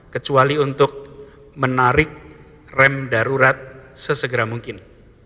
kecuali untuk menarik rem darurat sesegera mungkin